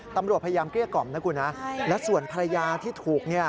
ตำรวจพยายามเกรียดก่อมนะครับคุณฮะแล้วส่วนภรรยาที่ถูก